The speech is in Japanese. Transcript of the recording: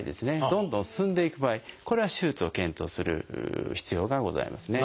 どんどん進んでいく場合これは手術を検討する必要がございますね。